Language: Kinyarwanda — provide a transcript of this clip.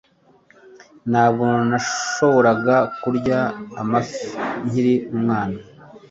Ntabwo nashoboraga kurya amafi nkiri umwana